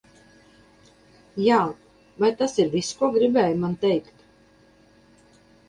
Jā, vai tas ir viss, ko gribēji man teikt?